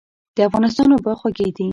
د افغانستان اوبه خوږې دي.